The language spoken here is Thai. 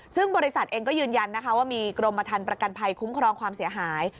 ซึ่งบริษัทเองก็ยืนยันนะคะว่ามีกรมฐานประกันภัยคุ้มครองความเสียหาย